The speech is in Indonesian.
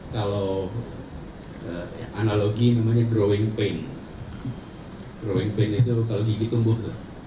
kalau analogi namanya growing pain growing pain itu kalau gigi tumbuh